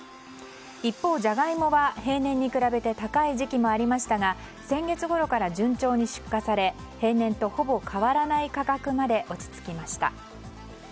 一方、ジャガイモは平年に比べて高い時期もありましたが先月ごろから順調に出荷され平年とほぼ変わらない価格まで落ち着きました。